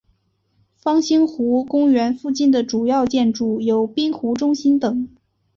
方兴湖公园附近的主要建筑有滨湖中心等。